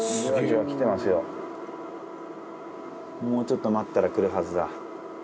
もうちょっと待ったらくるはずだ。